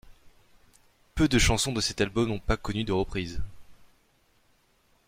Peu de chansons de cet album n'ont pas connu de reprises.